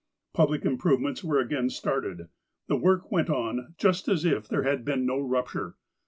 Public improvements were again started. The work went on just as if there THE RUPTURE 26T had been no rupture.